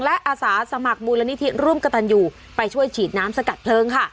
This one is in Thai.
และอาสาสมัครมูลนิธิร่วมกระตันอยู่ไปช่วยฉีดน้ำสกัดเพลิงค่ะ